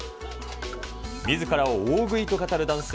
みずからを大食いと語る男性。